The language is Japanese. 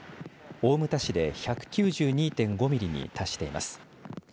大牟田市で１９２．５ミリに達しています。